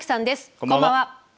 こんばんは。